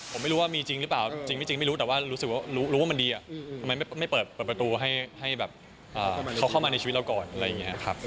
ผมไม่รู้ว่ามีจริงหรือเปล่าจริงไม่จริงไม่รู้แต่ว่ารู้สึกว่ารู้ว่ามันดีทำไมไม่เปิดประตูให้แบบเขาเข้ามาในชีวิตเราก่อนอะไรอย่างนี้ครับ